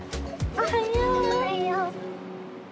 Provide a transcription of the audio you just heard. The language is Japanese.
おはよう！